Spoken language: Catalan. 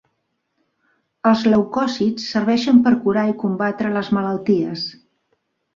Els leucòcits serveixen per curar i combatre les malalties.